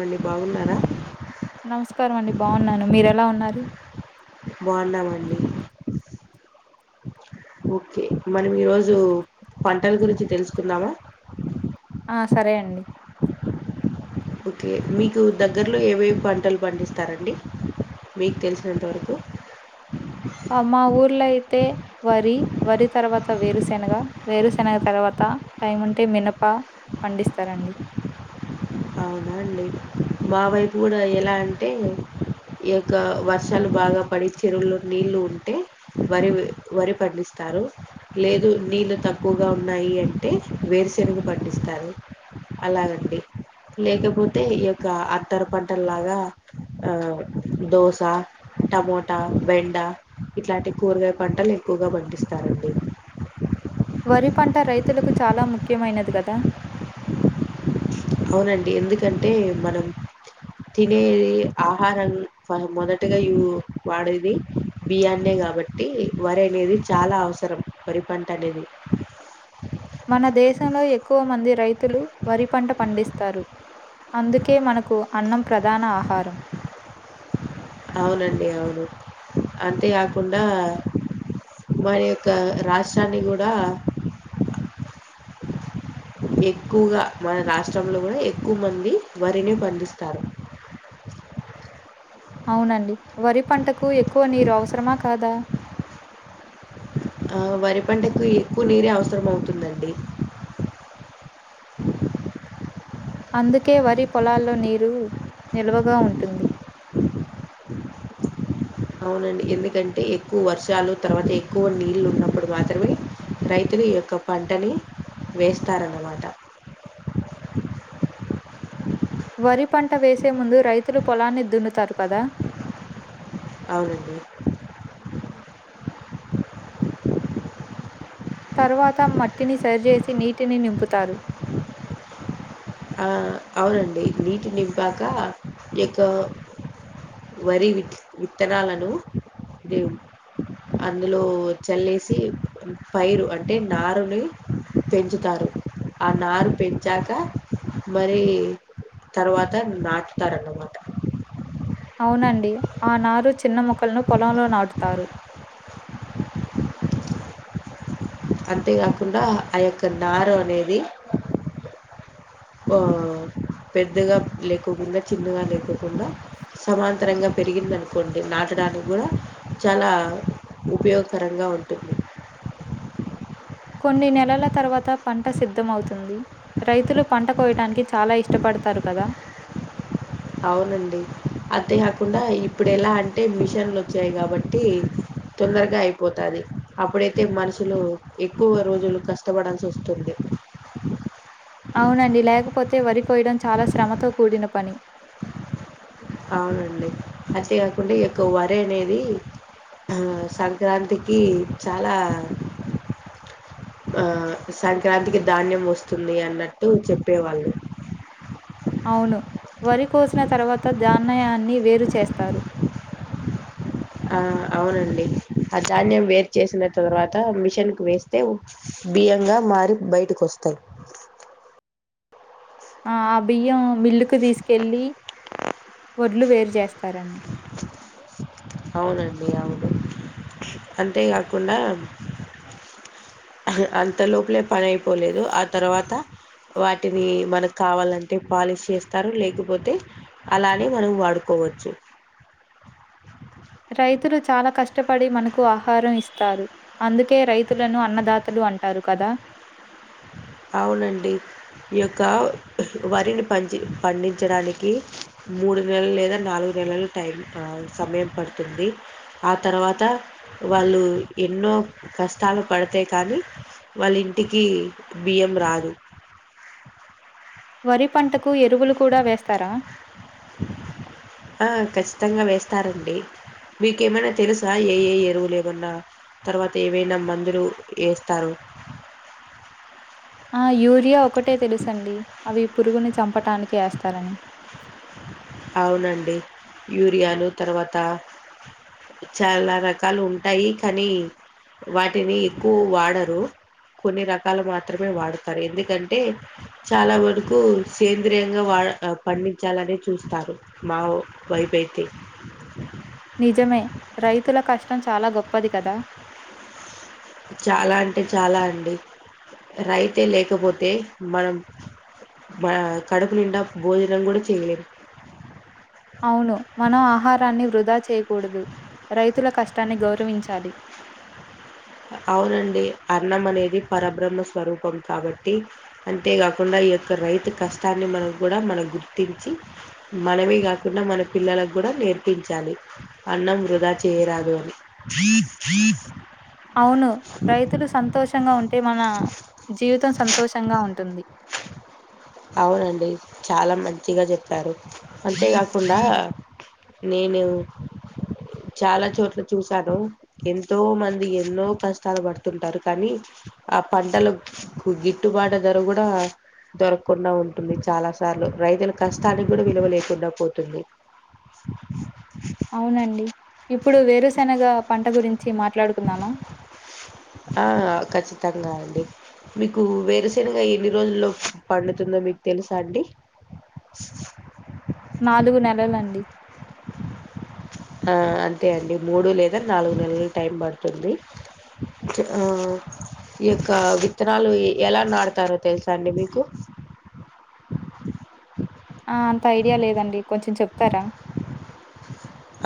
అండి బాగున్నారా. నమస్కారం అండి బాగున్నాను మీరెలా ఉన్నారు. బాగున్నామండి ఓకే మనం ఈరోజు పంటలు గురించి తెలుసుకుందామా. ఆ సరే అండి. ఓకే మీకు దగ్గరలో ఏవేవి పంటలు పండిస్తారండి. మీకు తెలిసినంతవరకు మా ఊర్లో అయితే వరి, వరి తర్వాత వేరుశెనగ వేరుశెనగ తర్వాత టైం ఉంటే మినప పండిస్తారండి. అవునా అండి మా వైపు కూడా ఎలా అంటే ఈ యొక్క వర్షాలు బాగా పడి చెరువులు నీళ్లు ఉంటే వరి వరి పండిస్తారు. లేదు నీళ్ళు తక్కువగా ఉన్నాయి అంటే వేరుశనగ పండిస్తారు అలాగండి. లేకపోతే ఈ యొక్క అంతర పంటలలాగా దోశ టమోటా బెండ ఇట్లాంటి కూరగాయ పంటలు ఎక్కువగా పండిస్తారండి. వరి పంట రైతులకు చాలా ముఖ్యమైనది కదా. అవునండి ఎందుకంటే మనం తినేది ఆహారం మొదటగా వాడేది బియ్యాన్నే కాబట్టి వరి అనేది చాలా అవసరం వరి పంట అనేది. మన దేశంలో ఎక్కువ మంది రైతులు వరి పంట పండిస్తారు. అందుకే మనకు అన్నం ప్రధాన ఆహారం అవునండి అవును అంతేకాకుండా మన యొక్క రాష్ట్రాన్ని కూడా ఎక్కువగా మన రాష్ట్రంలో కూడా ఎక్కువ మంది వరిని పండిస్తారు. అవునండి వరి పంటకు ఎక్కువ నీరు అవసరమా కాదా. వరి పంటకు ఎక్కువ నీరే అవసరమవుతుందండి. అందుకే వరి పొలాల్లో నీరు నిల్వగా ఉంటుంది. అవునండి ఎందుకంటే ఎక్కువ వర్షాలు తర్వాత ఎక్కువ నీళ్ళు ఉన్నప్పుడు మాత్రమే రైతులు ఈ యొక్క పంటని వేస్తారన్నమాట. వరి పంట వేసే ముందు రైతులు పొలాన్ని దున్నుతారు కదా. అవునండి. తరువాత మట్టిని సరిచేసి నీటిని నింపుతారు. ఆ అవునండి నీటి నింపాక యొక్క వరి వి విత్తనాలను అందులో చల్లేసి పైరు అంటే నారుని పెంచుతారు. ఆ నారు పెంచాక మరి తర్వాత నాటుతారన్నమాట. అవునండి ఆ నారు చిన్న మొక్కలను పొలంలో నాటుతారు. అంతేకాకుండా ఆ యొక్క నారు అనేది. పెద్దగా లేకోకుండా చిన్నగా లేకోకుండా సమాంతరంగా పెరిగిందినుకోండి. నాటడానికి కూడా చాలా ఉపయోగకరంగా ఉంటుంది. కొన్ని నెలల తర్వాత పంట సిద్ధమవుతుంది. రైతులు పంట కోయటానికి చాలా ఇష్టపడతారు కదా. అవునండి. అంతేకాకుండా ఇప్పుడు ఎలా అంటే మిషన్లు వచ్చాయి కాబట్టి తొందరగా అయిపోతది అప్పుడైతే మనుషులు ఎక్కువ రోజులు కష్టపడాల్సి వస్తుంది. అవునండి లేకపోతే వరి. కోయడం చాలా శ్రమతో కూడిన పని. అవునండి అంతేకాకుండా ఈ యొక్క వరి అనేది ఆ సంక్రాంతికి చాలా ఆ సంక్రాంతికి ధాన్యం వస్తుంది అన్నట్టు చెప్పేవాళ్ళు. అవును వరి కోసిన తర్వాత దాన్నయాన్ని వేరు చేస్తారు. ఆ అవునండి. ఆ ధాన్యం వేరు చేసిన తర్వాత మిషన్ కు వేస్తే బియ్యంగా మారి బయటకి వస్తాయి. ఆ బియ్యం మిల్లుకు తీసుకెళ్లి వడ్లు వేరు చేస్త. అవునండి అవున్ అంతే కాకుండా అంత లోపలే పని అయిపోలేదు ఆ తర్వాత వాటిని మనకు కావాలంటే పాలిష్ చేస్తారు, లేకపోతే అలానే మనం వాడుకోవచ్చు. రైతులు చాలా కష్టపడి మనకు ఆహారం ఇస్తారు. అందుకే రైతులను అన్నదాతలు అంటారు కదా. అవునండి ఈ యొక్క వరిని పంచి పండించడానికి మూడు నెలలు లేదా, నాలుగు నెలలు టైం సమయం పడుతుంది. ఆ తర్వాత వాళ్ళు ఎన్నో కష్టాలు పడితే కానీ వాళ్ళ ఇంటికి. బియ్యం రాదు వరి పంట కు ఎరువులు కూడా వేస్తారా ఆ ఖచ్చితంగా వేస్తారండి మీకు ఏమైనా తెలుసా ఏ ఏ ఎరువులు ఏమన్నా తర్వాత ఏమైనా మందులు వేస్తారో ఆ యూరియా ఒకటే తెలుసండి అవి పురుగుని చంపటానికి వేస్తారని అవునండి యూరియాలు తర్వాత చాలా రకాలు ఉంటాయి కానీ వాటిని ఎక్కువ వాడరు కొన్ని రకాలు మాత్రమే వాడతారు ఎందుకంటే చాలా వరకు సేంద్రీయంగా వా పండించాలని చూస్తారు మా వైపు అయితే నిజమే రైతుల కష్టం చాలా గొప్పది కదా చాలా అంటే చాలా అండి రైతే లేకపోతే మనం మ కడుపు నిండా భోజనం కూడా చేయలేము అవును మనం ఆహారాన్ని వృద్ దా చెయ్ కూడదు రైతుల కష్ టన్ని గౌరవించాలి అవునండి అన్నం అనేది పరబ్రహ్మ స్వరూపం కాబట్టి అంతేకాకుండా ఈ యొక్క రైతు కష్టాన్ని మనం కూడా మనం గుర్తించి మనమే కాకుండా మన పిల్లలకు కూడా నేర్పించాలి అన్నం వృధా చేయరాదు అని అవును రైతులు సంతోషంగా ఉంటు ఉంటే మన జీవితం సంతోషంగా ఉంటుంది అవునండి చాలా మంచిగా చెప్పారు అంతేకాకుండా నేను చాలా చోట్ల చూసాను ఎంతో మంది ఎన్నో కష్టాలు పడుతుంటారు కానీ ఆ పంటల గిట్టుబాటు ధర కూడా దొరక కుండా ఉంటుంది చాలా సార్లు రైతుల కష్టానికి కూడా విలువ లేకుండా పోతుంది అవునండి ఇప్పుడు వేరుశెనగ పంట గురిం ఆ ఖచ్చి తంగా అండి మీకు వేరుశనగ ఎన్ని రోజుల్లో పండుతుందో మీకు తెలుసా అండి నాలుగు నెలలండి ఆ అంతే అండి మూడు లేదా నాలుగు నెలలు టైం పడుతుంది ఆ ఈ యొక్క విత్తనాలు ఎలా నాటుతారో తెలుసా అండి మీకు ఆ అంత ఐడియా లేదండి కొంచెం చెప్తారా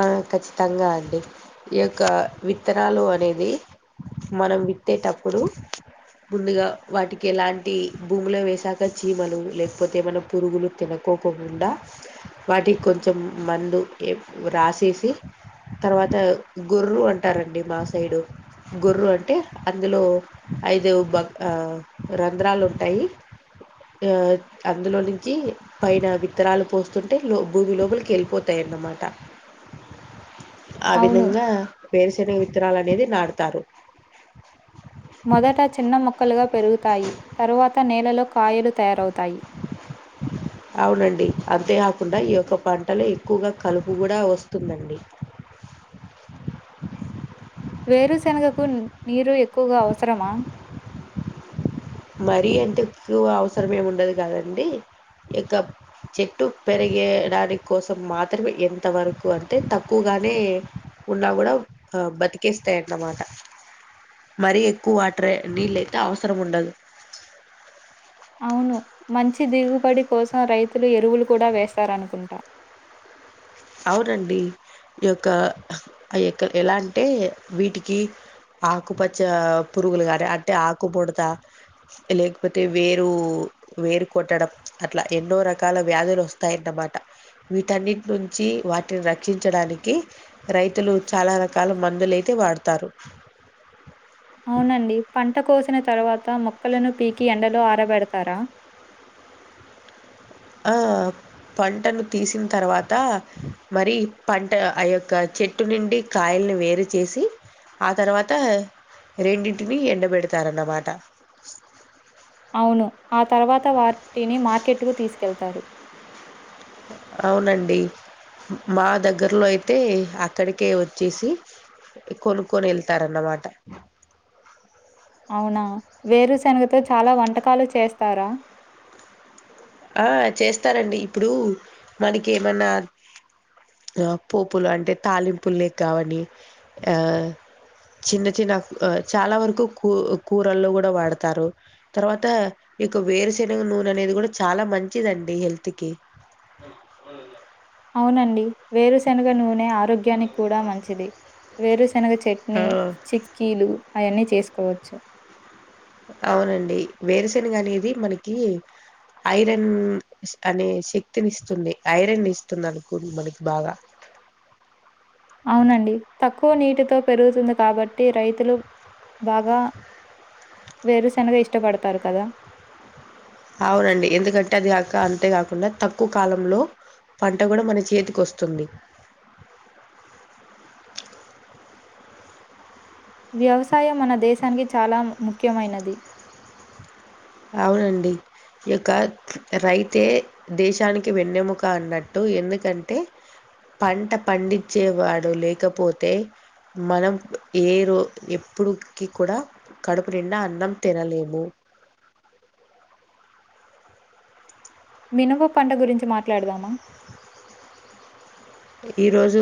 ఆ అఖచ్చితంగా అండి ఈ యొక్క విత్తనాలు అనేది మనం విత్తేటప్పుడు ముందుగా వాటికి ఎలాంటి భూమిలో వేసాక చీమలు లేకపోతే ఏమన్నా పురుగులు తినకోకుండా వాటికి కొంచెం మందు ఏ రాసేసి తర్వాత గొర్రు అంటారండి మా సైడు గొర్రు అంటే అందులో ఐదు బ ఆ రంధ్రాలుంటాయి ఆ అందులో నించి పైన విత్తనాలు పోస్తుంటే లో భూమి లోపలికి వెళ్ళిపోతాయన్నమాట ఆ అవును విధంగా వేరుశనగ విత్ త్తనాలు అనేది నాటుతారు మొదట చిన్న మొక్కలుగా పెరుగుతాయి తరువాత నేలలో కాయలు తయరౌ అవునండి అంతే [inaudible] కుండా ఈ యొక్క పంటలో ఎక్కువగా కలుపు కూడా వస్తుందండి వేరుశనగకు నీరు ఎక్కువగా అవసరమా మరీ ఎంత ఎక్కువ అవసరం ఏం ఉండదు కానండి ఇక చెట్టు పెరిగేడానికి కోసం మాత్రమే ఎంతవరకు అంటే తక్కువగానే ఉన్నా కూడా బతికేస్తాయి అన్నమాట మరీ ఎక్కువ వాటర్ నీళ్ళయితే అవసరం ఉండదు అవును మంచి దిగుబడి కోసం రైతులు ఎరువులు కూడా వేస్తారనుకుంటా అవునండి ఈ యొక్క ఆ యొక్క ఎలా అంటే వీటికి ఆకుపచ్చ పురుగులు కానీ అంటే ఆకుబుడత లేకపోతే వేరు వేరు కొట్టడం అట్లా ఎన్నో రకాల వ్యాధులు వస్తాయన్నమాట వీటన్నిటి నుం చ్చి వాటిని రక్షించడానికి రైతులు చాలా రకాల మందులైతే వాడుతారు అవునండి పంట కోసిన తరవా త మొక్కలను పీకి ఎండలో ఆరబెడతారా హా పంటను తీసిన తర్వాత మరి పంట ఆ యొక్క చెట్టు నుండి కాయల్ని వేరు చేసి ఆ తర్వాత రెండింటిని ఎండబెడతారన్నమాట అవును ఆ తర్వాత వాటిని మార్కెట్కు తీసుకెళ్తారు అవునండి మా దగ్గర్లో అయితే అక్కడికే వచ్చేసి కొనుక్కొని వెళ్తారన్నమాట అవునా వేరుశనగతో చాలా వంటకాలు చేస్తారా ఆ చేస్తారండి ఇప్పుడు మనకి ఏమన్నా ఆ పోపులు అంటే తాలింపు లే కావని ఆ చిన్న చిన్న చాలా వరకు కూ కూరల్లో కూడా వాడతారు తర్వాత నీకు వేరుశనగ నూనె అనేది కూడా చాలా మంచిదండి హెల్త్ కి అవునండి వేరుశనగ నూనె ఆరోగ్యానికి కూడా మంచిది వేరు శెనగ చట్నీ ఆ! చిక్కీలు అయన్నీ చేసుకో చ్చు అవునండి వేరుశనగ అనేది మనకి ఐరన్ అనే శక్తినిస్తుంది ఐరన్ ఇస్తుంది అనుకో మనకి బాగా క్కువ నీటితో పెరుగుతుంది కాబట్టి రైతులు బాగా వేరుశెనగ ఇష్టపడతారు కదా అవునండి ఎందుకంటే అది అక అంతేకాకుండా తక్కువ కాలంలో పంట కూడా మన చేతికొస్తుంది వ్యవసాయం మన దేశానికి చాలా ముఖ్యమైనది అవునండి ఈయొక్క రైతే దేశానికి వెన్నెముక అన్నట్టు ఎందుకంటే పంట పండించ్చేవాడు లేకపోతే మనం ఏ రో ఎప్పుడుకి కూడా కడుపు నిండా అన్నం తినలేము మినుము పంట గురించి మాట్లాడదామా ఈరోజు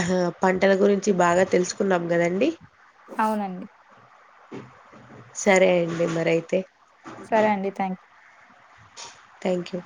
ఆ పంటల గురించి బాగా తెలుసుకున్నాం కదాండి అవునండి ఆ. సరే అండి మరై తే సరే అండి తాంక్ థ్యాంక్ యూ